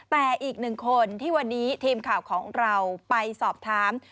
แต่อีกหนึ่งคนที่วันนี้ทีมข่าวของเราไปสอบถาม